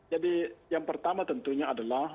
jadi yang pertama tentunya adalah